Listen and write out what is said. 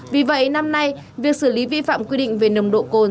vì vậy năm nay việc xử lý vi phạm quy định về nồng độ cồn